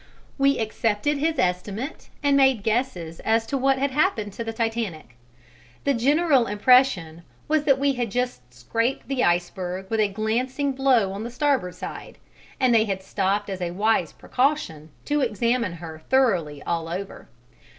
We accepted his estimate and made guesses as to what had happened to the Titanic: the general impression was that we had just scraped the iceberg with a glancing blow on the starboard side, and they had stopped as a wise precaution, to examine her thoroughly all over.